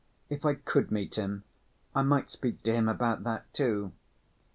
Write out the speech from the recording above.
"If I could meet him, I might speak to him about that too."